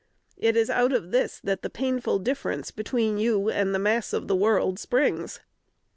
It is out of this that the painful difference between you and the mass of the world springs.